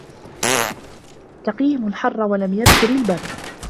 تَقِيهِمْ الْحَرَّ وَلَمْ يَذْكُرْ الْبَرْدَ